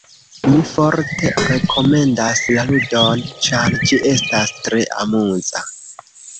Mi forte rekomendas la ludon, ĉar ĝi estas tre amuza.